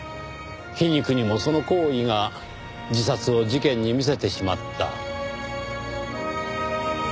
皮肉にもその行為が自殺を事件に見せてしまった。